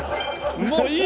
もういい！